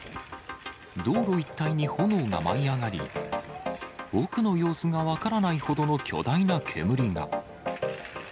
道路一帯に炎が舞い上がり、奥の様子が分からないほどの巨大な煙が。